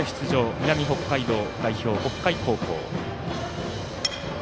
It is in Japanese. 南北海道代表の北海高校。